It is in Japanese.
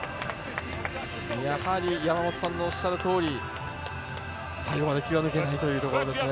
やはり、山本さんのおっしゃるとおり最後まで気は抜けないということですね。